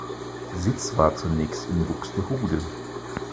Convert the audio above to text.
Sitz war zunächst in Buxtehude.